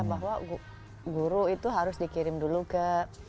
bahwa guru itu harus dikirim dulu ke